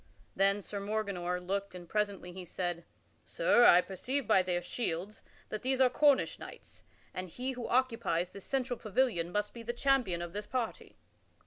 Then Sir Morganor looked and presently he said: "Sir, I perceive by their shields that these are Cornish knights, and he who occupies this central pavilion must be the champion of this party."